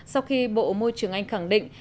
sau khi bộ môi trường anh khẳng định